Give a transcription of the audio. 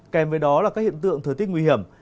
kèm với đó là các hiện tượng thời tiết nguy hiểm